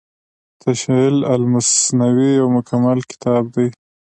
تشعيل المثنوي يو مکمل کتاب دی